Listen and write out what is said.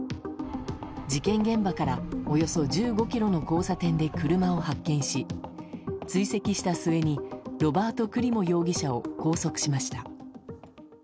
事件現場から、およそ１５ｋｍの交差点で車を発見し追跡した末にロバート・クリモ容疑者を拘束しました。